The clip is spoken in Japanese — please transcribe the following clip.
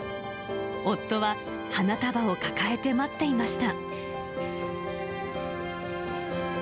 夫は花束を抱えて待っていました。